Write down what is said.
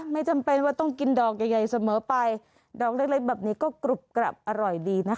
ไม่จำเป็นว่าต้องกินดอกใหญ่เสมอไปดอกเล็กแบบนี้ก็กรุบกรับอร่อยดีนะคะ